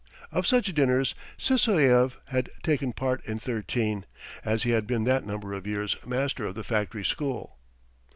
Of such dinners Sysoev had taken part in thirteen, as he had been that number of years master of the factory school.